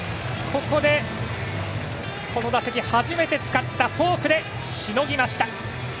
この打席初めて使ったフォークでしのぎました！